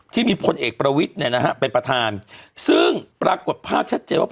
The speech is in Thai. ที่มีพลเอกประวิทย์เนี่ยนะฮะเป็นประธานซึ่งปรากฏภาพชัดเจนว่า